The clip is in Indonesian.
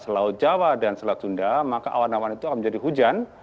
selaut jawa dan selat sunda maka awan awan itu akan menjadi hujan